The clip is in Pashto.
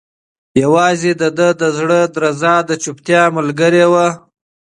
یوازې د ده د زړه درزا د چوپتیا ملګرې وه.